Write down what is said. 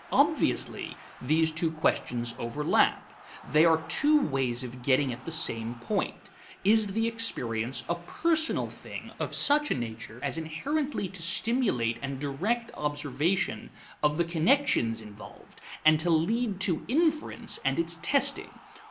Obviously, these two questions overlap. They are two ways of getting at the same point: Is the experience a personal thing of such a nature as inherently to stimulate and direct observation of the connections involved, and to lead to inference and its testing?